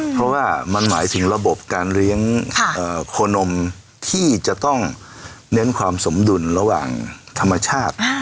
เพราะว่ามันหมายถึงระบบการเลี้ยงโคนมที่จะต้องเน้นความสมดุลระหว่างธรรมชาติ